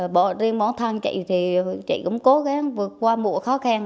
bỏ riêng bọn thang chị thì chị cũng cố gắng vượt qua mùa khó khăn